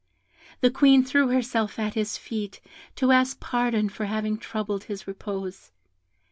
The Queen threw herself at his feet, to ask pardon for having troubled his repose.